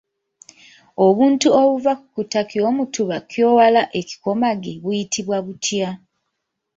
Obuntu obuva ku kikuta ky’omutuba kyowala okikomage buyitibwa butya?